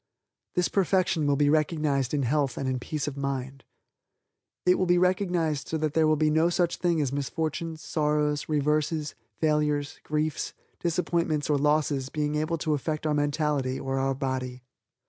This perfection will be recognized in health and in peace of mind. It will be recognized so that there will be no such thing as misfortunes, sorrows, reverses, failures, griefs, disappointments or losses being able to affect our mentality or our body.